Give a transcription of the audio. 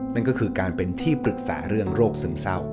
นั่นก็คือการเป็นที่ปรึกษาเรื่องโรคซึมเศร้า